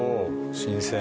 新鮮。